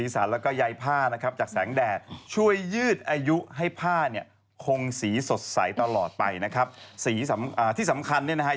นี่คุณแม่ดอกมาคุณแม่ให้มานี่มันมีสักสีสันสดใสเลยค่ะ